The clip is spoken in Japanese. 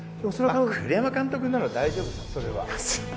栗山監督なら大丈夫ですよそれは。